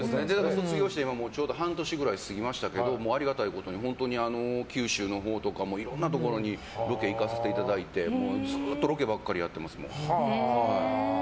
卒業して、今、ちょうど半年くらい過ぎましたけどありがたいことに九州の方とかいろんなところにロケ行かさせていただいてずっとロケばっかりやってます。